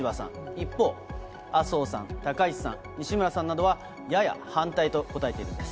一方、麻生さん、高市さん、西村さんなどは、やや反対と答えているんです。